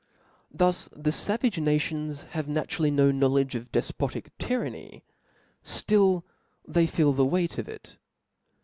Thus, though the favage nations have naturally n6 knowledge of defpotic tyranny, ftill they feel the weight of it.